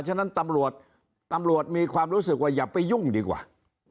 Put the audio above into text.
ฉะนั้นตำรวจตำรวจมีความรู้สึกว่าอย่าไปยุ่งดีกว่า